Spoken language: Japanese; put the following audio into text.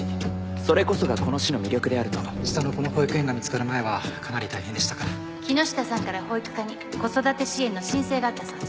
それこそがこの市の魅力であると下の子の保育園が見つかる前はかなり大変木下さんから保育課に子育て支援の申請があったそうです